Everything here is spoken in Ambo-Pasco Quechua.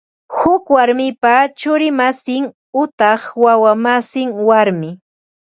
Huk warmipa churi masin utaq wawa masin warmi